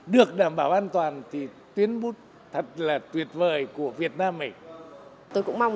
được đảm bảo an toàn thì tuyến bút thật là tuyệt vời của việt nam này